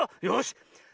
よし。